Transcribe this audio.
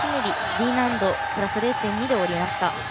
Ｄ難度プラス０．２で下りました。